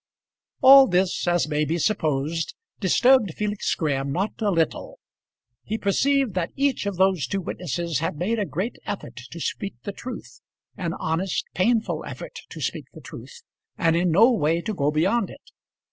All this as may be supposed disturbed Felix Graham not a little. He perceived that each of those two witnesses had made a great effort to speak the truth; an honest, painful effort to speak the truth, and in no way to go beyond it.